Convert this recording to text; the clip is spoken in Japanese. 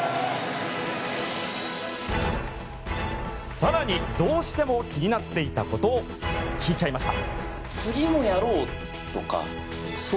更にどうしても気になっていたこと聞いちゃいました！